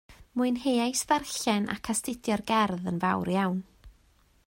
Mwynheais ddarllen ac astudio'r gerdd yn fawr iawn